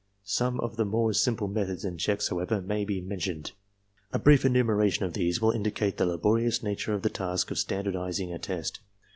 Some of the more simple methods and checks, however, may be men tioned. A brief enumeration of these will indicate the laborious nature of the task of standardizing a test.